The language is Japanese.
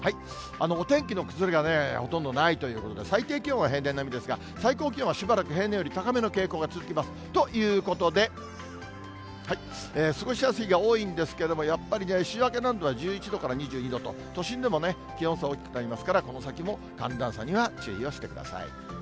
お天気の崩れがね、ほとんどないということで、最低気温は平年並みですが、最高気温はしばらく平年より高めの傾向が続きます、ということで、過ごしやすいが多いんですが、やっぱり週明けは１１度から２２度と、都心でもね、気温差大きくなりますから、この先も寒暖差には注意をしてください。